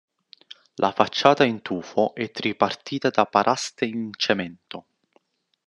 La facciata in tufo è tripartita da paraste in cemento.